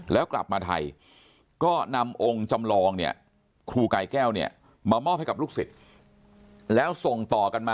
แล้วกลับมาไทยก็นำองค์จำลองเนี่ยครูกายแก้วเนี่ยมามอบให้กับลูกศิษย์